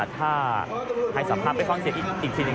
ถ้าให้สัมภาษณ์เป็นความเสียอีกทีหนึ่ง